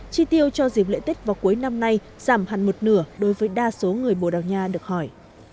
chi tiêu cho dịp lễ tết vào cuối năm nay giảm hẳn một nửa đối với đa số người bồ đào nha được hỏi